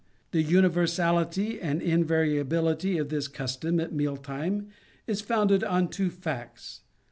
The universality and invaria bility of this custom at meal time is founded on two facts.